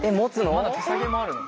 まだ手さげもあるの？